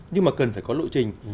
nhưng mà cần phải có lộ trình